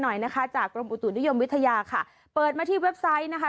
หน่อยนะคะจากกรมอุตุนิยมวิทยาค่ะเปิดมาที่เว็บไซต์นะคะ